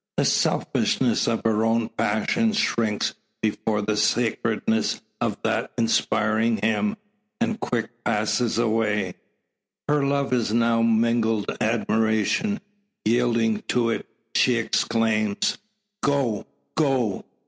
The selfishness of her own passion shrinks before the sacredness of that inspiring him, and quick passes away. With her love is now mingled admiration. Yielding to it, she exclaims: "Go go!